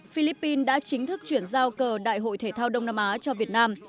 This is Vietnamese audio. philippines đã chính thức chuyển giao cờ đại hội thể thao đông nam á cho việt nam